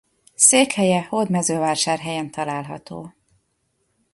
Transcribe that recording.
Székhelye Hódmezővásárhelyen található.